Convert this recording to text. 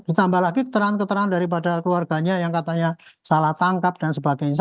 ditambah lagi keterangan keterangan daripada keluarganya yang katanya salah tangkap dan sebagainya